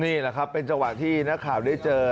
นี่ล่ะครับเป็นเวลาที่นักข่าวได้เจอ